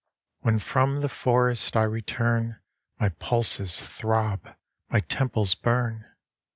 iv. When from the forest I return, My pulses throb, my temples burn.